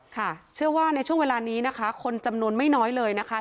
ค่ะเชื่อว่าในช่วงเวลานี้นะคะคนจำนวนไม่น้อยเลยนะคะ